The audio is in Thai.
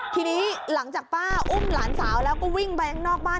ทีนี้หลังจากป้าอุ้มหลานสาวแล้วก็วิ่งไปข้างนอกบ้าน